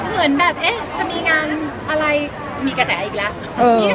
เหมือนแบบจะมีงานอะไรมีกระแสอีกแล้ว